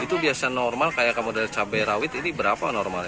itu biasa normal kayak kamu dari cabai rawit ini berapa normalnya